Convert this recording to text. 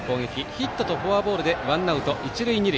ヒットとフォアボールでワンアウト一塁、二塁。